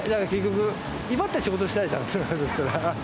結局、いばって仕事したいじゃん。